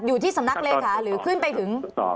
อยู่ที่สำนักเลขาหรือขึ้นไปถึง